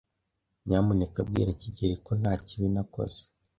Nyamuneka bwira kigeli ko nta kibi nakoze.